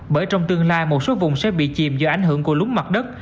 bởi trong tương lai một số vùng sẽ bị chìm do ảnh hưởng của lúng mặt đất